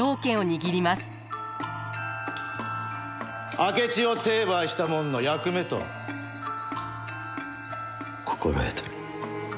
明智を成敗したもんの役目と心得とる。